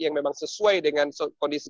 yang memang sesuai dengan kondisi